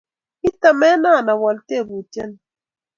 Katemenan awol tebutyo ni